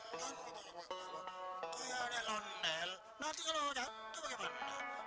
oh apa apa apa kalau ada lontel nanti kalau jatuh bagaimana